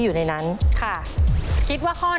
เปลี่ยนตัวเองกันสิเปลี่ยนตัวเองกันสิ